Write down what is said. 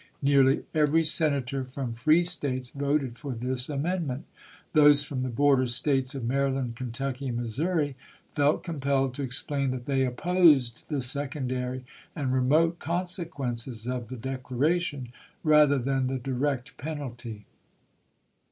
Nearly every Senator from free States voted for this amendment. Those from the border States of Maryland, Kentucky, and Missouri felt compelled to explain that they opposed the secondary and remote consequences of the declaration rather than the direct penalty.